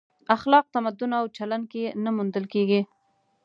اخلاق تمدن او چلن کې نه موندل کېږي.